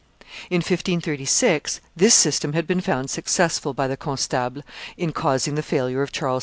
In 1536 this system had been found successful by the constable in causing the failure of Charles V.